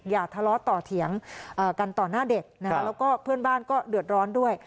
อย่าทะเลาะต่อเถียงกันต่อหน้าเด็กนะคะแล้วก็เพื่อนบ้านก็เดือดร้อนด้วย